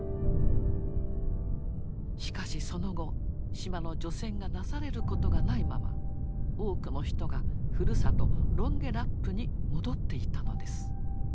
しかしその後島の除染がなされることがないまま多くの人がふるさとロンゲラップに戻っていたのです。